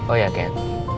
oh ya cat